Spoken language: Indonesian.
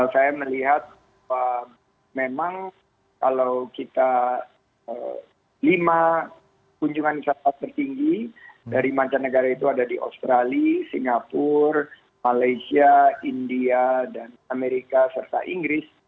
saya melihat memang kalau kita lima kunjungan wisata tertinggi dari mancanegara itu ada di australia singapura malaysia india dan amerika serta inggris